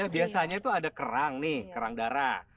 biasanya itu ada kerang nih kerang darah